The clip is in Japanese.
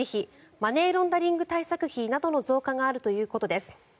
マネーロンダリング対策費などの増加があるということです。